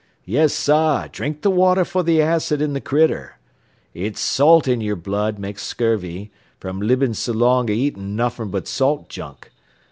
yes, sah, drink the water for the acid in the critter. It's salt in yer blood makes scurvy, from libbin' so long er eatin' nuffin' but salt junk.